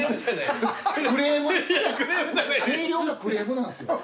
声量がクレームなんですよ。